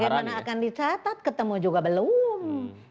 bagaimana akan dicatat ketemu juga belum